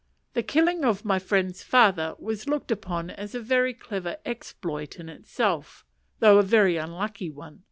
The killing of my friend's father was looked upon as a very clever exploit in itself; though a very unlucky one.